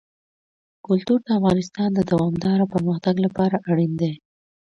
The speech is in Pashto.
کلتور د افغانستان د دوامداره پرمختګ لپاره اړین دي.